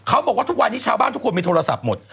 เขาบอกว่าทุกวันนี้ชาวบ้านทุกคนมีโทรศัพท์หมด